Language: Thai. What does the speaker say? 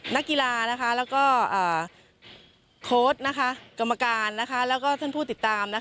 นักกีฬาแล้วก็โค้ดกรรมการแล้วก็ท่านผู้ติดตาม